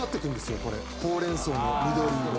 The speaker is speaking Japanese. ほうれん草の緑色。